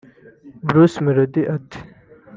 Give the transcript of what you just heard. Bruce Melodie ati